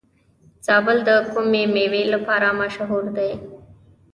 زابل د کومې میوې لپاره مشهور دی؟